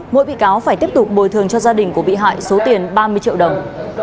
mỗi bị cáo phải tiếp tục bồi thường cho gia đình của bị hại số tiền ba mươi triệu đồng